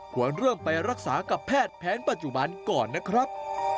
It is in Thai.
ควรเริ่มไปรักษากับแพทย์แผนปัจจุบันก่อนนะครับ